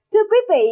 thưa quý vị